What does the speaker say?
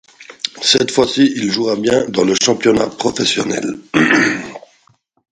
Cette fois-ci il jouera bien dans le championnat professionnel.